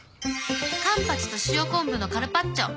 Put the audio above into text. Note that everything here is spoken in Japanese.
カンパチと塩昆布のカルパッチョ。